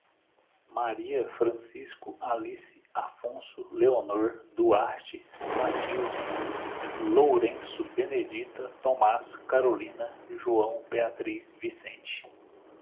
Maria, Francisco, Alice, Afonso, Leonor, Duarte, Matilde, Lourenço, Benedita, Tomás, Carolina, João, Beatriz, Vicente